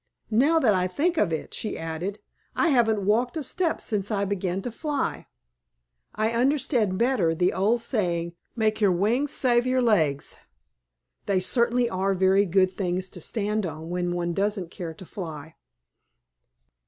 Now that I think of it," she added, "I haven't walked a step since I began to fly. I understand better the old saying, 'Make your wings save your legs.' They certainly are very good things to stand on when one doesn't care to fly."